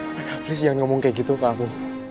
meka please jangan ngomong kayak gitu ke aku